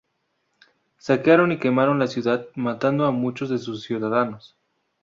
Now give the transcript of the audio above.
Saquearon y quemaron la ciudad, matando a muchos de sus ciudadanos.